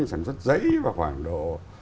sản xuất giấy và khoảng độ